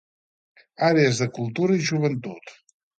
Àrees de Cultura i Joventut.